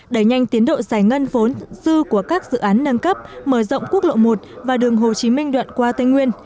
đẩy nhanh tiến độ giải ngân vốn dư của các dự án nâng cấp mở rộng quốc lộ một và đường hồ chí minh đoạn qua tây nguyên